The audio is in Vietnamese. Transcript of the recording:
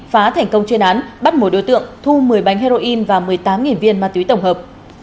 phá thành công chuyên án bắt một đối tượng thu một mươi bánh heroin và một mươi tám viên ma túy tổng hợp